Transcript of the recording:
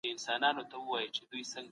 پانګه وال نه سي کولای هر څه انحصار کړي.